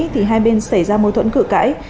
thì hai bên xảy ra mâu thuẫn cử cãi